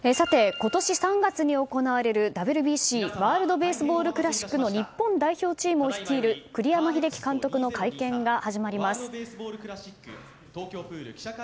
今年３月に行われるＷＢＣ・ワールド・ベースボール・クラシックの日本代表チームを率いる栗山英樹監督の会見が始まります。